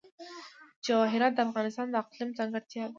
جواهرات د افغانستان د اقلیم ځانګړتیا ده.